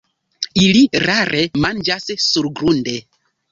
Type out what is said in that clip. Ili rare manĝas surgrunde.